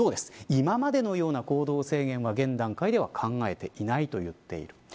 今までのような行動制限は現段階では考えていないと言っている。